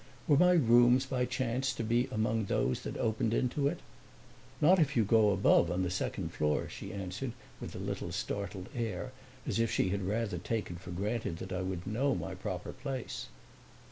Were my rooms by chance to be among those that opened into it? "Not if you go above, on the second floor," she answered with a little startled air, as if she had rather taken for granted I would know my proper place.